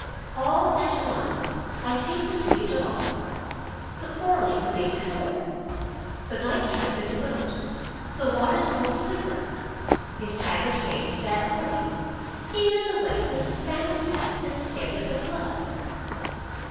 All at once I seemed to see it all: the quarreling the day before, the night trip in the boat, the water soaked slipper, his haggard face that morning even the way the spaniel sat and stared at the flood.